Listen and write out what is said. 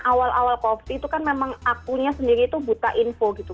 karena awal awal covid itu kan memang akunya sendiri itu buta info gitu